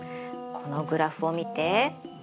このグラフを見て。